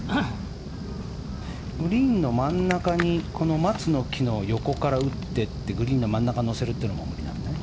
グリーンの真ん中に松の木の横から打っていってグリーンの真ん中に乗せるのも無理なんだね。